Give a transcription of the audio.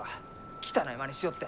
汚いマネしよって！